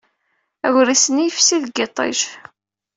Agris-nni yefsi deg yiṭij.